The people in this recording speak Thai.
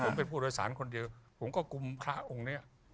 ผมเป็นผู้โดยสารคนเดียวผมก็กลุ่มพระองค์นี้